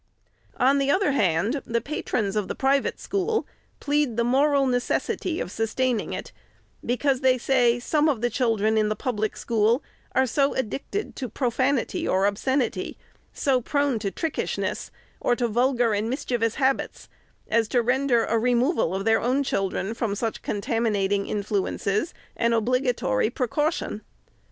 On the other hand, the patrons of the private school plead the moral necessity of sustaining it, because, they say, some of the children in the public school are so ad dicted to profanity or obscenity, so prone to trickishness, or to vulgar and mischievous habits, as to render a removal of their own children from such contaminating influences an obligatory precaution.